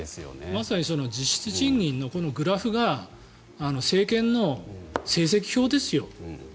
まさに実質賃金のグラフが政権の成績表ですよ。